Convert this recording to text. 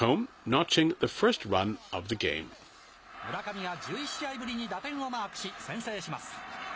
村上が１１試合ぶりに打点をマークし、先制します。